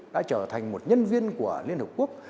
đã trở thành một nhân viên của liên hợp quốc